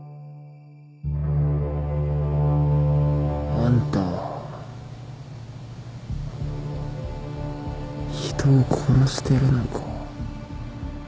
あんたは人を殺してるのか？